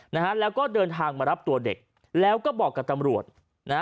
นะฮะแล้วก็เดินทางมารับตัวเด็กแล้วก็บอกกับตำรวจนะฮะ